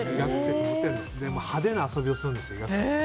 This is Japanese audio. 派手な遊びをするんです医学生。